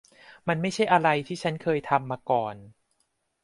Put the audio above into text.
มันไม่ใช่อะไรที่ฉันเคยทำมาก่อน